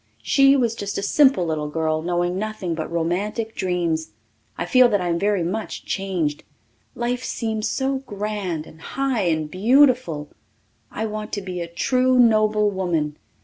She was just a simple little girl, knowing nothing but romantic dreams. I feel that I am very much changed. Life seems so grand and high and beautiful. I want to be a true noble woman.